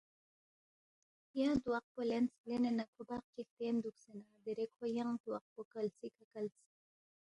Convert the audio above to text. ینگ تواق پو لینس، لینے نہ کھو بقچی ہلتین دُوکسے نہ دیرے کھو ینگ تواق پو کلسی کھہ کلس،